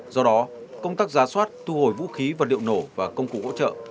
do đó công tác giá soát thu hồi vũ khí vật liệu nổ và công cụ hỗ trợ